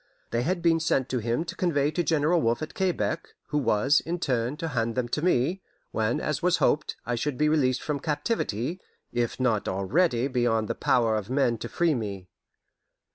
They had been sent to him to convey to General Wolfe at Quebec, who was, in turn, to hand them to me, when, as was hoped, I should be released from captivity, if not already beyond the power of men to free me.